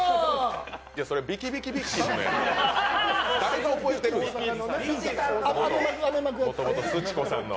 それビキビキビッキーの。